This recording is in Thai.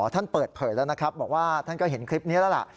ท่านเปิดเผยแล้วนะครับบอกว่าท่านก็เห็นคลิปนี้แล้วล่ะ